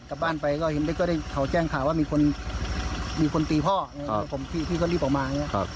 ก็ได้ข่าวแจ้งข่าวว่ามีคนตีพ่อพี่ก็รีบออกมา